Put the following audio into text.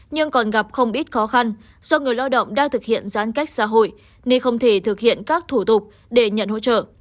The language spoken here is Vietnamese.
nhưng còn gặp không ít khó khăn do người lao động đang thực hiện giãn cách xã hội nên không thể thực hiện các thủ tục để nhận hỗ trợ